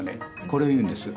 これを言うんです。